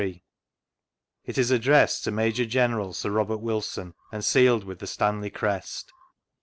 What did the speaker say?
It is addressed to Major Gen. Sir Robert Wilson, and sealed with the Stanley crest.